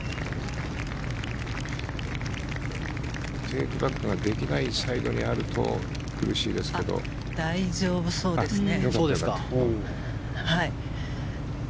テイクバックができないサイドにあると大丈夫そうですね。